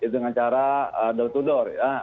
dengan cara deltudor ya